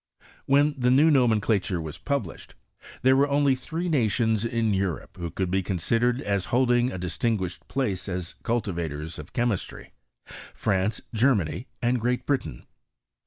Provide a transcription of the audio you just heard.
When the new nomenclature was published, there were only three nations in Europe who could bo considered as holding a. distinguished place as cul tivators of chemistry : France, Germany, and Great Britain.